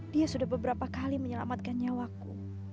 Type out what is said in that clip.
dia sudah beberapa kali menyelamatkan nyawaku